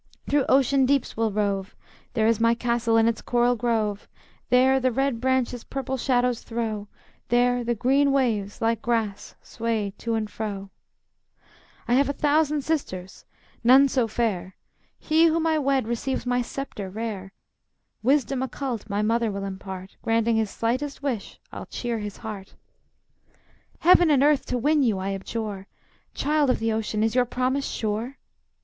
through ocean deeps we'll rove; There is my castle in its coral grove; There the red branches purple shadows throw, There the green waves, like grass, sway to and fro, "I have a thousand sisters; none so fair. He whom I wed receives my sceptre rare. Wisdom occult my mother will impart. Granting his slightest wish, I'll cheer his heart." "Heaven and earth to win you I abjure! Child of the ocean, is your promise sure?"